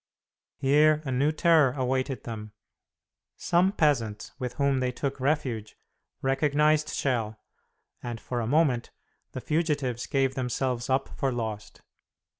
Here a new terror awaited them. Some peasants with whom they took refuge recognized Schell, and for a moment the fugitives gave themselves up for lost.